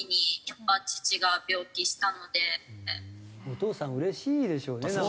お父さんうれしいでしょうねなんか。